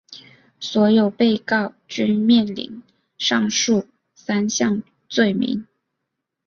所有被告均面临上述三项罪名。